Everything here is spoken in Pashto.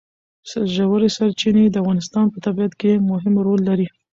ژورې سرچینې د افغانستان په طبیعت کې مهم رول لري.